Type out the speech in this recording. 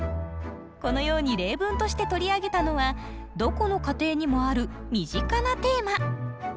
このように例文として取り上げたのはどこの家庭にもある身近なテーマ。